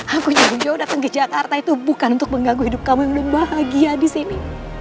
aku jauh jauh datang ke jakarta itu bukan untuk mengganggu hidup kamu yang belum bahagia di sini